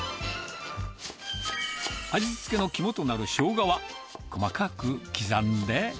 味付けの肝となるしょうがは、細かく刻んで。